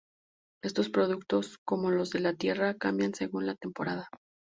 Estos productos, como los de la tierra, cambian según la temporada.